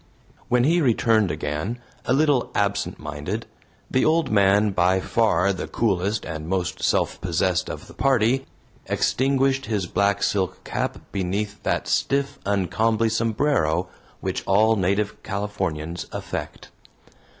When he returned again, a little absent minded, the old man, by far the coolest and most self possessed of the party, extinguished his black silk cap beneath that stiff, uncomely sombrero which all native Californians affect.